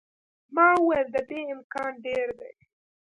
ما وویل، د دې امکان ډېر دی.